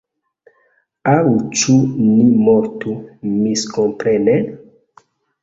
Aŭ ĉu ni mortu miskomprene?